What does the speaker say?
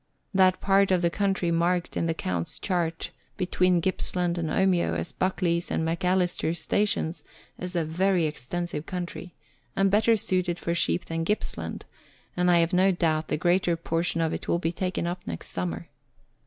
That part of the country marked in the Count's chart between Gippsland and Omeo as Buckley's and Macalister's stations is a very extensive country, and better suited for sheep than Gippsland, and I have no doubt the greater portion of it will be taken up next summer.